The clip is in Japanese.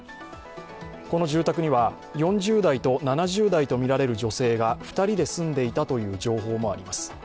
この住宅には４０代と７０代とみられる女性が２人で住んでいたという情報もあります。